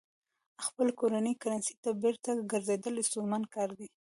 خپلې کورنۍ کرنسۍ ته بېرته ګرځېدل ستونزمن کار دی.